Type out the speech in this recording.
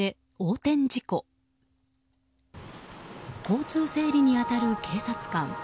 交通整理に当たる警察官。